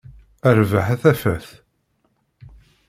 A rrbeḥ, a tafat!